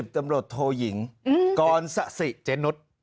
๑๐ตำรวจโทหยิงกรสะสิเจนท์นุษย์